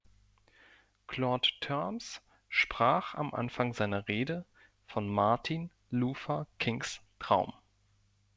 Claude Turmes sprach am Anfang seiner Rede von Martin Luther Kings Traum.